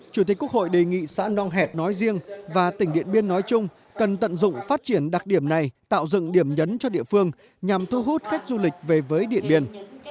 chủ tịch quốc hội đề nghị xã nong hẹt nói riêng và tỉnh điện biên nói chung cần tận dụng phát triển đặc điểm này tạo dựng điểm nhấn cho địa phương nhằm thu hút khách du lịch về với điện biên